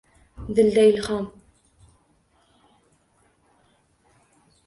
Dilda ilhom